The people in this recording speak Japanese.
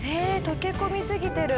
溶け込み過ぎてる。